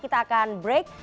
kita akan break